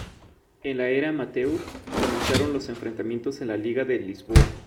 En la era amateur, comenzaron los enfrentamientos en la Liga de Lisboa.